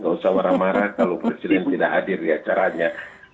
gak usah marah marah kalau presiden tidak hadir di acaranya